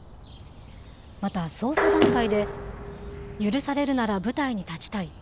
また、捜査段階で、許されるなら舞台に立ちたい。